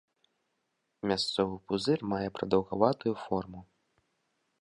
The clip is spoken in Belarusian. Мясцовы пузыр мае прадаўгаватую форму.